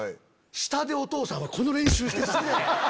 下でお義父さんはこの練習してたんや。